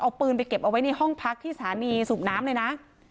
เอาปืนไปเก็บเอาไว้ในห้องพักที่สถานีสูบน้ำเลยนะ